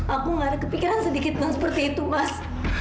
aku gak ada kepikiran sedikit seperti itu mas